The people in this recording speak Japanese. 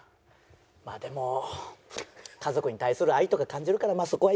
まあでも家族に対する愛とか感じるからまあそこはいいけどさ。